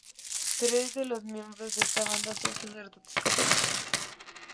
Tres de los miembros de esta banda son sacerdotes católicos.